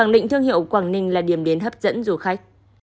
định thương hiệu quảng ninh là điểm đến hấp dẫn du khách